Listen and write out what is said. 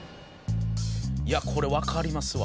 いやこれわかりますわ。